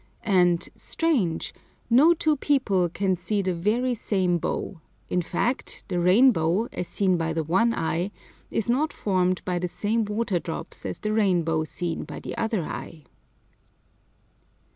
And, strange, no two people can see the very same bow; in fact the rainbow, as seen by the one eye, is not formed by the same water drops as the rainbow seen by the other eye.